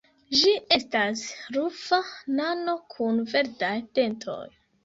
Ĝi estas rufa nano kun verdaj dentoj.